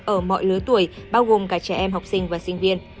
ở mọi lứa tuổi bao gồm cả trẻ em học sinh và sinh viên